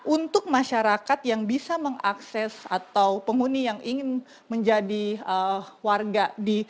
untuk masyarakat yang bisa mengakses atau penghuni yang ingin menjadi warga